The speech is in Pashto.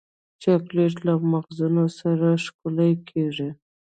چاکلېټ له مغزونو سره ښکلی کېږي.